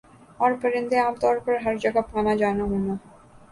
اورپرندے عام طور پر ہَر جگہ پانا جانا ہونا